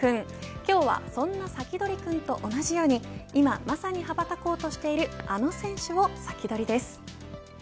今日はそんなサキドリくんと同じように今まさに羽ばたこうとしているあの選手を先取りです。